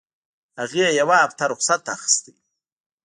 هغې يوه هفته رخصت اخيستى.